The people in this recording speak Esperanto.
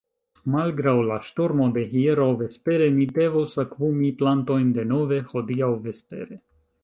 Malgraŭ la ŝtormo de hieraŭ vespere, mi devos akvumi plantojn denove hodiaŭ vespere.